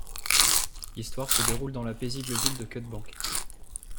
L'histoire se déroule dans la paisible ville de Cut Bank.